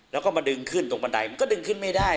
แล้วก็มาดึงขึ้นตรงบันไดมันก็ดึงขึ้นไม่ได้